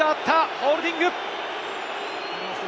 ホールディング！